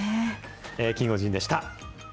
キンゴジンでした。